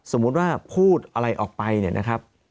สมมุติว่าพูดอะไรออกไปเนี่ยนะครับ